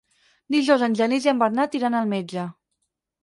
Dijous en Genís i en Bernat iran al metge.